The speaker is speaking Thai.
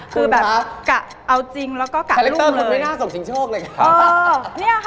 คือแบบกะเอาจริงแล้วก็กะลุ่มเลย